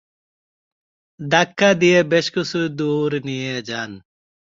ধাক্কা দিয়ে বেশকিছু দূর নিয়ে যান।